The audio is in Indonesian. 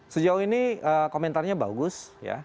sejauh ini komentarnya bagus